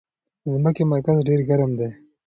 د ځمکې مرکز ډېر ګرم دی.